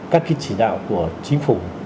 các chỉ đạo của chí phủ